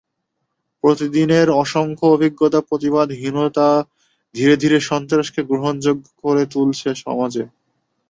প্রতিদিনের অসংখ্য অভিজ্ঞতা, প্রতিবাদহীনতা ধীরে ধীরে সন্ত্রাসকে গ্রহণযোগ্য করে তুলছে সমাজে।